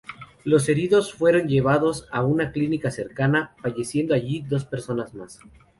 Los heridos fueron llevados a una clínica cercana, falleciendo allí dos personas más.